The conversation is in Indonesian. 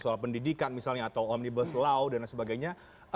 soal pendidikan misalnya atau omnibus law dan lain sebagainya